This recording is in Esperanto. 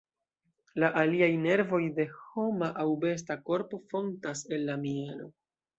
La aliaj nervoj de homa aŭ besta korpo fontas el la mjelo.